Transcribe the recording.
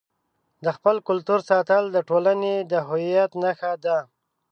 د خپل کلتور ساتل د ټولنې د هویت نښه ده.